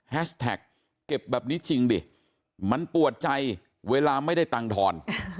แท็กเก็บแบบนี้จริงดิมันปวดใจเวลาไม่ได้ตังค์ทอน